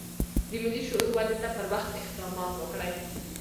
د ملي شعور ودې ته پر وخت اقدامات وکړي.